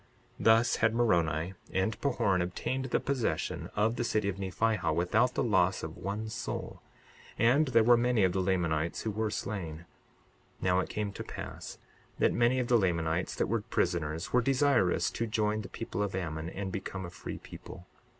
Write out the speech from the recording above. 62:26 Thus had Moroni and Pahoran obtained the possession of the city of Nephihah without the loss of one soul; and there were many of the Lamanites who were slain. 62:27 Now it came to pass that many of the Lamanites that were prisoners were desirous to join the people of Ammon and become a free people.